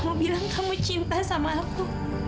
mau bilang kamu cinta sama aku